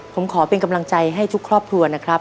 ผมขอเป็นกำลังใจให้ทุกครอบครัวนะครับ